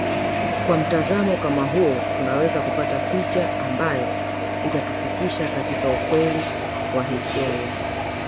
Kwa mtazamo kama huo tunaweza kupata picha ambayo itatufikisha katika ukweli wa historia